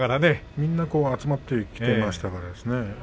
みんな集まってきていましたね。